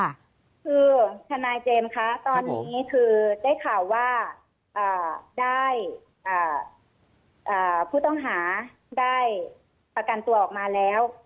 คือทนายเจมส์คะตอนนี้คือได้ข่าวว่าได้ผู้ต้องหาได้ประกันตัวออกมาแล้ว